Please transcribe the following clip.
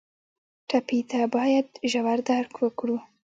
ټپي ته باید ژور درک وکړو.